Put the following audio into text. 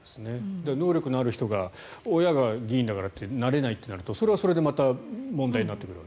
能力のある人が親が議員だからってなれないとなるとそれはそれで問題になってくると。